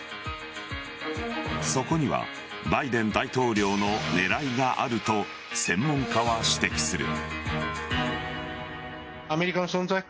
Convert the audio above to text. そこにはバイデン大統領の狙いがあると専門家は指摘する。